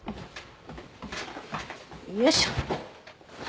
よいしょ。